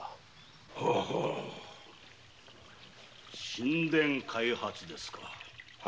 新田開発ですか？